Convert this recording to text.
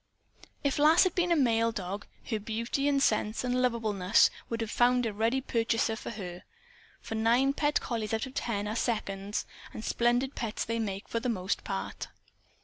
If Lass had been a male dog, her beauty and sense and lovableness would have found a ready purchaser for her. For nine pet collies out of ten are "seconds"; and splendid pets they make for the most part.